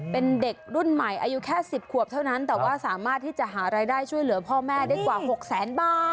เป็นเด็กรุ่นใหม่อายุแค่๑๐ขวบเท่านั้นแต่ว่าสามารถที่จะหารายได้ช่วยเหลือพ่อแม่ได้กว่า๖แสนบาท